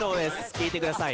聞いてください